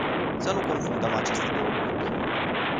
Să nu confundăm aceste două lucruri.